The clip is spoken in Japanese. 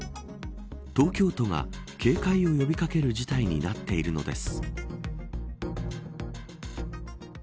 東京都が警戒を呼び掛ける事態になっているのです。